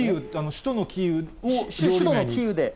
首都のキーウで。